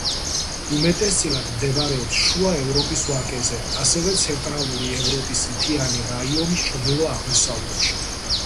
უმეტესწილად მდებარეობს შუა ევროპის ვაკეზე, ასევე ცენტრალური ევროპის მთიანი რაიონის ჩრდილო-აღმოსავლეთში.